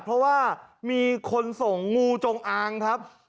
เพราะว่ามีคนส่งงูจงอางครับ